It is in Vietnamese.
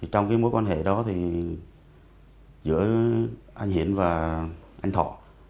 trong mối quan hệ đó thì giữa anh hiển và anh thọ